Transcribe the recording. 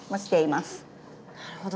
なるほど。